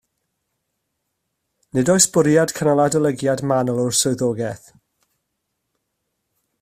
Nid oes bwriad cynnal adolygiad manwl o'r swyddogaeth